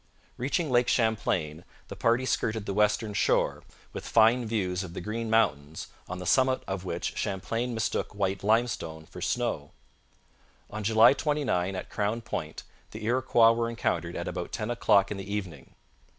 Reaching Lake Champlain, the party skirted the western shore, with fine views of the Green Mountains, on the summit of which Champlain mistook white limestone for snow. On July 29, at Crown Point, the Iroquois were encountered at about ten o'clock in the evening.